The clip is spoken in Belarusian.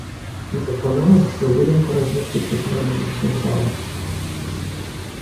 Запланавана, што ў будынку размесціцца філарманічная зала.